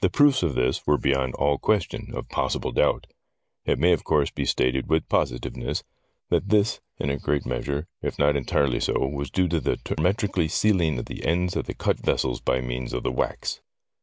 The proofs of this were beyond all question of possible doubt. It may of course be stated with positiveness that this in a great measure, if not entirely so, was due to the hermetically sealing of the ends of the cut vessels by means of the wax.